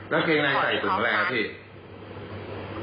กางเกงในใส่ถุงอะไรครับพี่